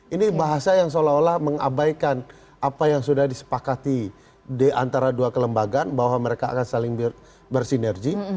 ini bahasa yang seolah olah mengabaikan apa yang sudah disepakati di antara dua kelembagaan bahwa mereka akan saling bersinergi